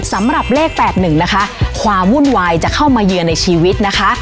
สำหรับเลข๘๑นะคะความวุ่นวายจะเข้ามาเยือนในชีวิตนะคะ